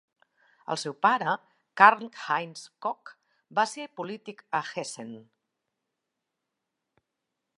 El seu pare, Karl-Heinz Koch, va ser polític a Hessen.